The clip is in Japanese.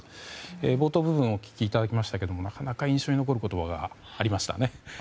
冒頭部分をお聞きいただきましたけれどもなかなか印象に残る言葉がありましたね。